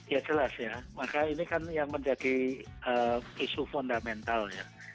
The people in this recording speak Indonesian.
ya jelas ya maka ini kan yang menjadi isu fundamental ya